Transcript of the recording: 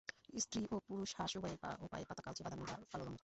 স্ত্রী ও পুরুষ হাঁস উভয়ের পা ও পায়ের পাতা কালচে-বাদামি বা কালো রঙের।